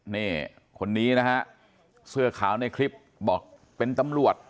นี่คนนี้นะฮะเสื้อขาวในคลิปบอกเป็นตำรวจ